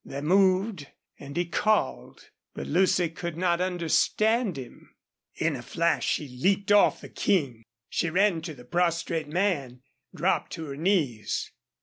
They moved. And he called. But Lucy could not understand him. In a flash she leaped off the King. She ran to the prostrate man dropped to her knees.